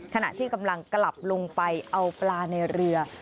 ขณะที่กำลังกลับลงไปเอาปลาในเรือ